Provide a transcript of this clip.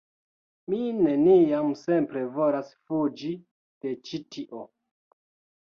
Mi neniam simple volas fuĝi de ĉi tio